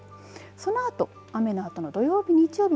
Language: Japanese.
そのあと雨のあとの土曜日日曜日